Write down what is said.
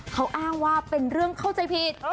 เขาอ้างว่าเป็นเรื่องเข้าใจผิด